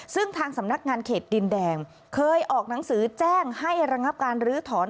ซึ่งทางสำนักงานเขตดินแดงเคยออกหนังสือแจ้งให้ระงับการลื้อถอน